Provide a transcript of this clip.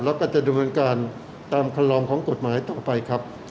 แล้วก็จะดำเนินการตามคำลองของกฎหมายต่อไปครับ